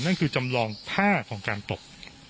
นั่นคือจำลองผ้าของการตก